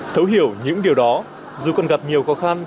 thấu hiểu những điều đó dù còn gặp nhiều khó khăn